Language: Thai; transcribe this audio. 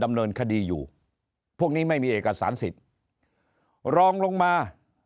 ดำเนินคดีอยู่พวกนี้ไม่มีเอกสารสิทธิ์รองลงมา